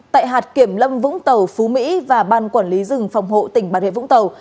tại hạt kiểm lâm vũng tàu phú mỹ và ban quản lý dừng phòng hộ tỉnh bản huyện vũng tàu